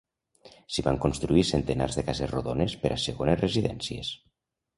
S'hi van construir centenars de cases rodones per a segones residències.